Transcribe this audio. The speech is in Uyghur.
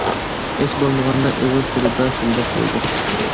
ھېچ بولمىغاندا ئېغىز تىلىدا شۇنداق بولىدۇ.